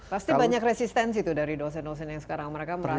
pasti banyak resistensi tuh dari dosen dosen yang sekarang